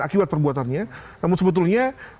akibat perbuatannya namun sebetulnya